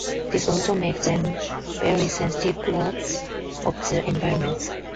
This also makes them very sensitive probes of their environments.